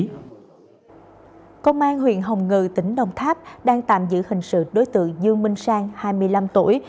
công an huyện hồng ngự tỉnh đồng tháp đang tạm giữ hình sự đối tượng dương minh sang hai mươi năm tuổi